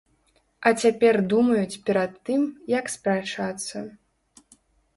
А цяпер думаюць перад тым, як спрачацца.